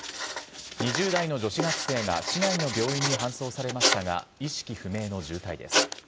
２０代の女子学生が市内の病院に搬送されましたが、意識不明の重体です。